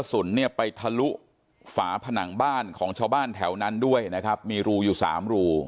สุนเนี่ยไปทะลุฝาผนังบ้านของชาวบ้านแถวนั้นด้วยนะครับมีรูอยู่สามรู